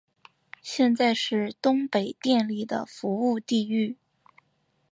现在是东北电力的服务地域。